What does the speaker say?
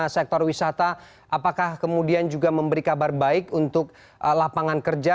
sektor wisata apakah kemudian juga memberi kabar baik untuk lapangan kerja